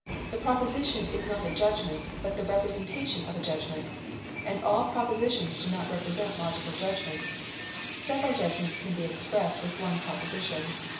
The proposition is not a judgment, but the representation of a judgment; and all propositions do not represent logical judgments. Several judgments can be expressed with one proposition.